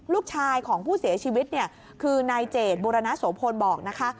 ลูกชายของผู้เสียชีวิตเนี่ยคือนายเจดบุรณโสพลบอกนะคะ